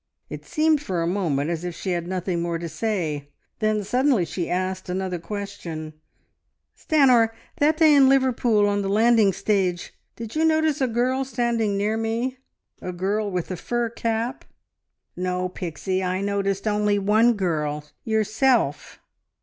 It seemed for a moment as if she had nothing more to say, then suddenly she asked another question: "Stanor! That day in Liverpool, on the landing stage, did you notice a girl standing near me a girl with a fur cap?" "No, Pixie. I noticed only one girl yourself!"